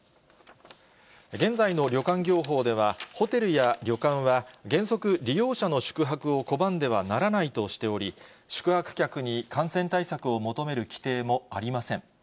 現在の旅館業法では、ホテルや旅館は、原則、利用者の宿泊を拒んではならないとしており、宿泊客に感染対策を求める規定もありません。